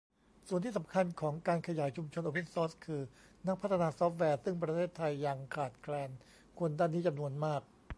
ส่วนที่สำคัญของการขยายชุมชนโอเพ่นซอร์สคือ นักพัฒนาซอร์ฟแวร์ ซึ่งประเทศไทยยังขาดแคลนคนด้านนี้จำนวนมาก